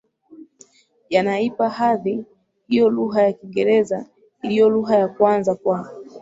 yanaipa hadhi hiyo lugha ya Kiingereza iliyo lugha ya kwanza kwa